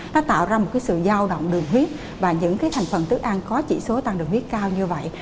nó tạo ra sự giao động đường huyết và những thành phần thức ăn có chỉ số tăng đường huyết cao như vậy